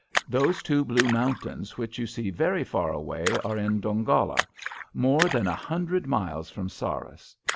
Those two blue mountains which you see very far away are in Dongola, more than a hundred miles from Sarras.